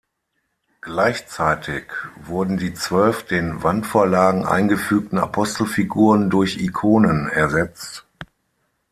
Gleichzeitig wurden die zwölf den Wandvorlagen eingefügten Apostelfiguren durch Ikonen ersetzt.